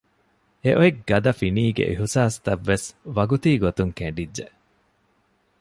އެއޮތް ގަދަ ފިނީގެ އިހުސާސްތައްވެސް ވަގުތީގޮތުން ކެނޑިއްޖެ